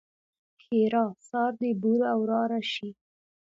ښېرا؛ سار دې بوره وراره شي!